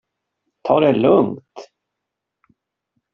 Ta det lugnt!